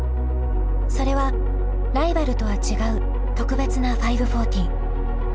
それはライバルとは違う特別な５４０。